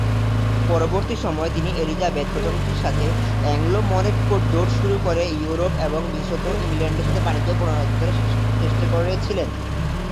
পরবর্তী সময়ে তিনি এলিজাবেথ প্রথমটির সাথে অ্যাংলো-মরোক্কোর জোট শুরু করে ইউরোপ এবং বিশেষত ইংল্যান্ডের সাথে বাণিজ্য পুনরুদ্ধারের চেষ্টা করেছিলেন।